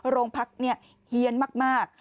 โรงพักเนี่ยเฮียนมาก